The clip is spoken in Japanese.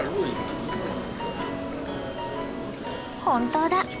本当だ。